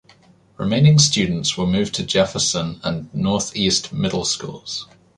Remaining students were moved to Jefferson and Northeast middle schools.